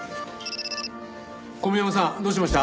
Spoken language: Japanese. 小宮山さんどうしました？